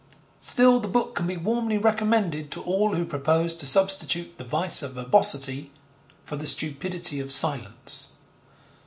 Still, the book can be warmly recommended to all who propose to substitute the vice of verbosity for the stupidity of silence.